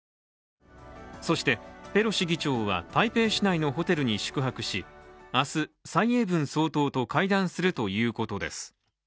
そしてペロシ議長は台北市内のホテルに宿泊し明日、蔡英文総統と会談するということです。